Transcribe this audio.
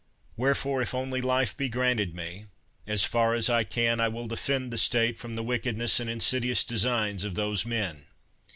Wherefore, if only life be granted me, as far as I can I will defend the state from the wicked ness and insidious designs of those men.